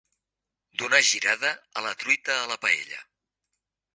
Donar girada a la truita a la paella.